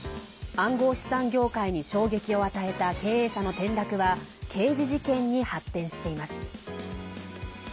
暗号資産業界に衝撃を与えた経営者の転落は刑事事件に発展しています。